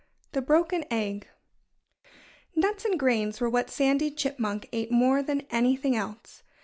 III THE BROKEN EGG Nuts and grains were what Sandy Chipmunk ate more than anything else.